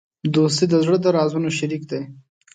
دوستي د زړه د رازونو شریک دی.